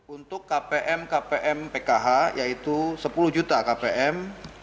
untuk kpm kpm pkh yaitu sepuluh juta kpm